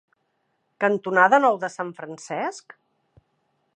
cantonada Nou de Sant Francesc?